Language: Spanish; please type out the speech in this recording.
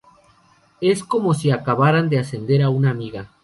Es como si acabaran de ascender a una amiga".